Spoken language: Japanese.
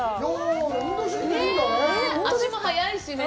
足も速いしね